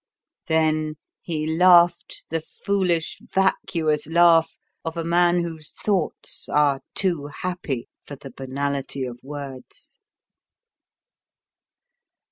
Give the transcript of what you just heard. Then he laughed the foolish, vacuous laugh of a man whose thoughts are too happy for the banality of words.